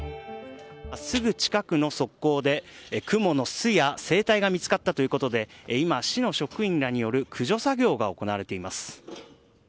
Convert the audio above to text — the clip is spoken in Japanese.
すぐ近くの側溝でクモの巣や生体が見つかったということで今、市の職員らによる駆除作業が行われています。